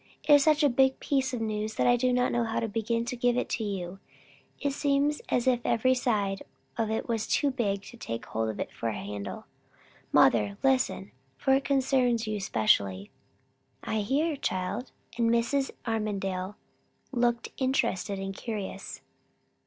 It is such a big piece of news that I do not know how to begin to give it to you; it seems as if every side of it was too big to take hold of for a handle. Mother, listen, for it concerns you specially." "I hear, child." And Mrs. Armadale looked interested and curious.